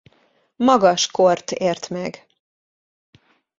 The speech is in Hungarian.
Magas kort ért meg.